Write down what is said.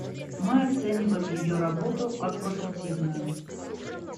Мы оцениваем ее работу как продуктивную.